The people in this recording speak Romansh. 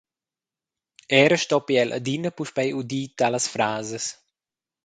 Era stoppi el adina puspei udir talas frasas.